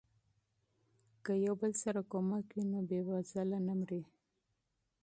که مرسته وي نو بیوزله نه مري.